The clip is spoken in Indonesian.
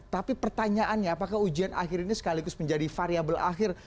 tapi pertanyaannya apakah ujian akhir ini sekaligus menjadi variable akhir